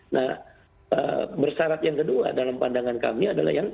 nah bersarat yang kedua dalam pandangan kami adalah yang